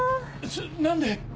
何で？